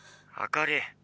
あかり。